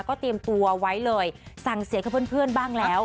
ก็เตรียมตัวไว้เลยสั่งเสียกับเพื่อนบ้างแล้ว